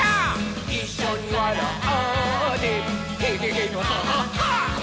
「いっしょにわらってヘヘヘのハハハ」